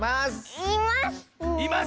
います。